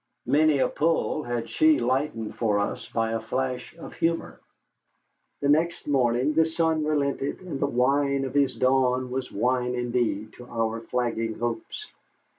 Many a pull had she lightened for us by a flash of humor. The next morning the sun relented, and the wine of his dawn was wine indeed to our flagging hopes.